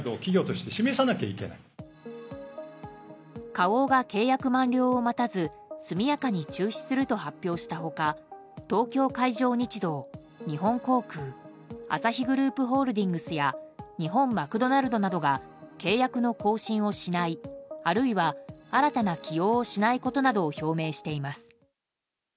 花王が契約満了を待たず速やかに中止すると発表した他東京海上日動、日本航空アサヒグループホールディングスや日本マクドナルドなどが契約の更新をしないあるいは、新たな起用をしないことなどを表明しています。